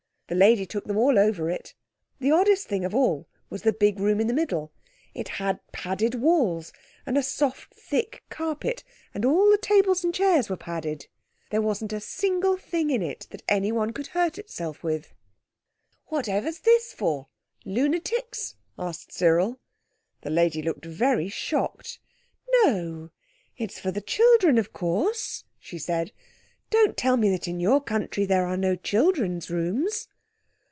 The lady took them all over it. The oddest thing of all was the big room in the middle. It had padded walls and a soft, thick carpet, and all the chairs and tables were padded. There wasn't a single thing in it that anyone could hurt itself with. "What ever's this for?—lunatics?" asked Cyril. The lady looked very shocked. "No! It's for the children, of course," she said. "Don't tell me that in your country there are no children's rooms."